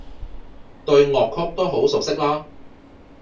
對樂曲都好熟悉啦